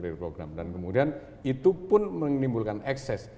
dan kemudian itu pun menimbulkan ekses